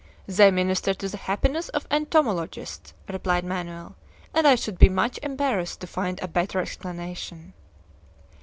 "They minister to the happiness of entomologists," replied Manoel; "and I should be much embarrassed to find a better explanation."